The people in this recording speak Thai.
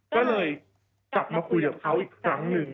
ก็เลยกลับมาคุยกับเขาอีกครั้งหนึ่ง